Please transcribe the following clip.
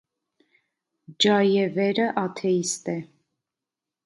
Ջայևերը աթեիստ է։